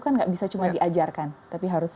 kan gak cuma bisa diajarkan tapi harus